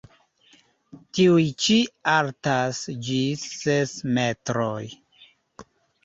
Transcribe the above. Tiuj ĉi altas ĝis ses metroj.